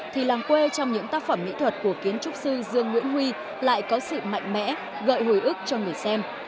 thì làng quê trong những tác phẩm mỹ thuật của kiến trúc sư dương nguyễn huy lại có sự mạnh mẽ gợi hồi ức cho người xem